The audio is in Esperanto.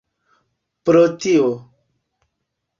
Pro tio.